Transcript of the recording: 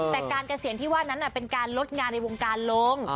แต่การเกษียณที่ว่านั้นเป็นการลดงานในวงการลง